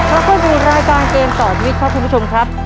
แล้วคุณผู้ชมรายการเกมต่อชีวิตครับทุกผู้ชมครับ